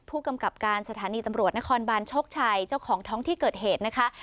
ผู้กำกับการสถานีตำรวจนครบานโชคชัยเจ้าของท้องที่เกิดเหตุนะคะ